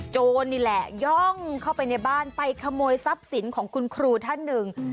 โจรนี่แหละย่องเข้าไปในบ้านไปขโมยทรัพย์สินของคุณครูท่านหนึ่ง